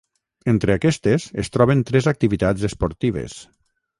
Entre aquestes es troben tres activitats esportives.